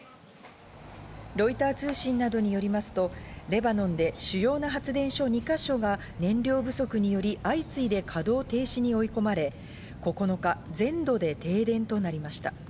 ロイター通信などによりますと、レバノンで主要な発電所２か所が燃料不足により相次いで稼働停止に追い込まれ９日、全土で停電となりました。